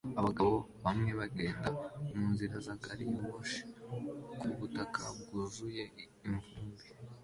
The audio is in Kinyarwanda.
Abagabo bamwe bagenda munzira za gari ya moshi kubutaka bwuzuye ivumbi